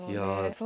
そう。